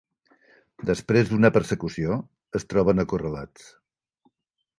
Després d'una persecució, es troben acorralats.